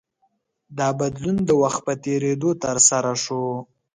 دا بدلون د وخت په تېرېدو ترسره شو.